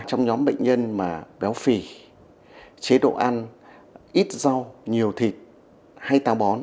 trong nhóm bệnh nhân mà béo phì chế độ ăn ít rau nhiều thịt hay tàu bón